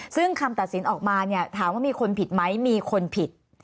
ซึ่งคำตัดสินออกมาเนี่ยถามว่ามีคนผิดไหมมีคนผิด